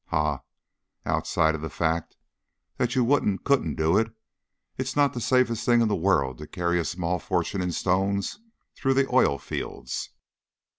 Ha! Outside of the fact that you wouldn't, couldn't do it, it's not the safest thing in the world to carry a small fortune in stones through the oil fields."